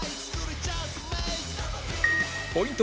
ポイント